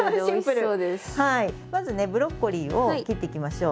まずねブロッコリーを切っていきましょう。